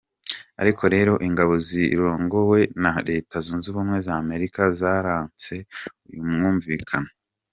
Ariko rero ingabo zirongowe na Leta zunze Ubumwe za Amerika zaranse uyu mwumvikano.